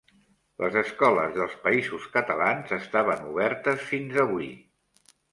Les escoles dels Països Catalans estaven obertes fins avui